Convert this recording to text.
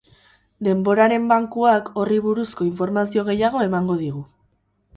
Denboraren bankuak horri buruzko informazio gehiago emango digu.